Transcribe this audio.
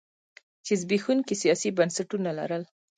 چې زبېښونکي سیاسي بنسټونه لرل.